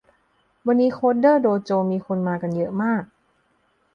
วันนี้โค้ดเดอร์โดโจมีคนมากันเยอะมาก